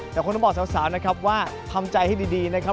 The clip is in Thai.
แล้วคงต้องบอกสาวว่าพัมพ์ใจให้ดีนะครับ